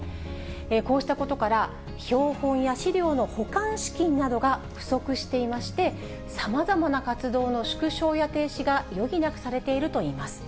こうしたことから、標本や資料の保管資金などが不足していまして、さまざまな活動の縮小や停止が余儀なくされているといいます。